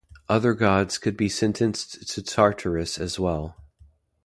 Other gods could be sentenced to Tartarus as well.